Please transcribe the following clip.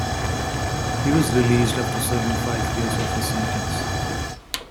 He was released after serving five years of his sentence.